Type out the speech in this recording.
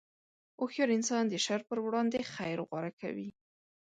هوښیار انسان د شر پر وړاندې خیر غوره کوي.